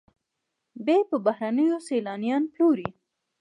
بیا یې پر بهرنیو سیلانیانو پلوري